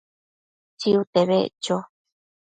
Tsiute beccho